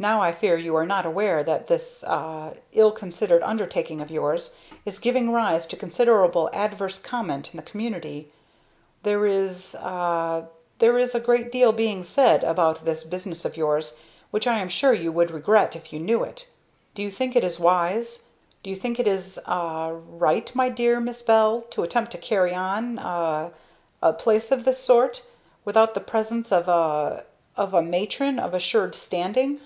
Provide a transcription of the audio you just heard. Now I fear you are not aware that this ah ill considered undertaking of yours, is giving rise to considerable adverse comment in the community. There is ah there is a great deal being said about this business of yours which I am sure you would regret if you knew it. Do you think it is wise; do you think it is ah right, my dear Miss Bell, to attempt to carry on a a place of this sort, without the presence of a of a Matron of assured standing?"